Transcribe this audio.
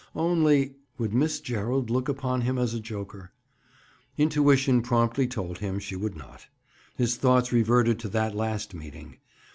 Only—would Miss Gerald look upon him as a joker? Intuition promptly told him she would not. His thoughts reverted to that last meeting.